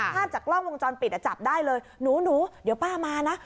ภาพจากกล้องวงจรปิดอ่ะจับได้เลยหนูเดี๋ยวป้ามานะ